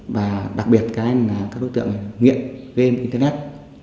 và đặc biệt các đối tượng nguyễn vn internet